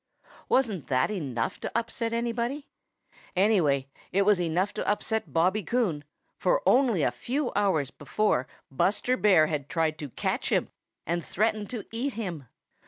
Wasn't that enough to upset anybody? Anyway, it was enough to upset Bobby Coon, for only a few hours before Buster Bear had tried to catch him and had threatened to eat him.